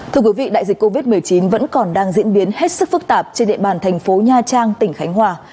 thưa quý vị đại dịch covid một mươi chín vẫn còn đang diễn biến hết sức phức tạp trên địa bàn thành phố nha trang tỉnh khánh hòa